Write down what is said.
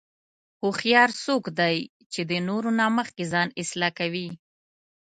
هوښیار څوک دی چې د نورو نه مخکې ځان اصلاح کوي.